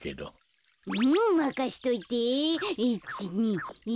うんまかしといて。